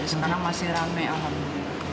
sekarang masih rame alhamdulillah